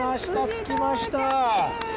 着きました